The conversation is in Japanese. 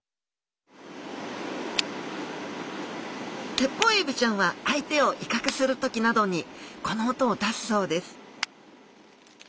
テッポウエビちゃんは相手を威嚇する時などにこの音を出すそうです